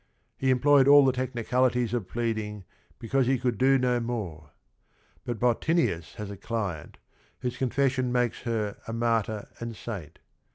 He emp loyed all the technicalities o f pleading because he could d o no more. But Bottinius has a cli ent whose confession mak es h er a martyr and saint